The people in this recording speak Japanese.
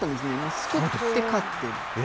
すくって勝っている。